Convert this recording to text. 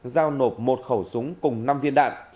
giao nộp một khẩu súng cùng năm viên đạn